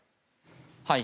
はい。